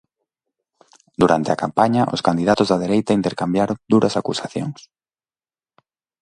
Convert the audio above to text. Durante a campaña os candidatos da dereita intercambiaron duras acusacións.